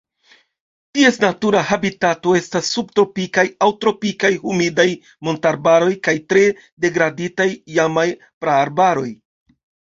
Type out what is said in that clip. Ties natura habitato estas subtropikaj aŭ tropikaj humidaj montararbaroj kaj tre degraditaj iamaj praarbaroj.